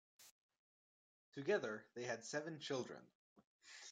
Together, they had seven children.